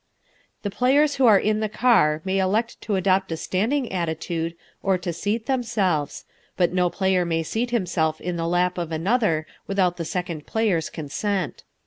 The players who are in the car may elect to adopt a standing attitude, or to seat themselves, but no player may seat himself in the lap of another without the second player's consent.